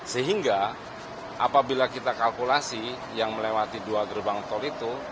sehingga apabila kita kalkulasi yang melewati dua gerbang tol itu